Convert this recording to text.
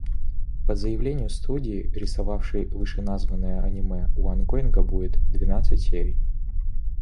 По заявлению студии, рисовавшей вышеназванное аниме, у онгоинга будет двенадцать серий.